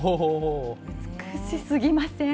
美しすぎません？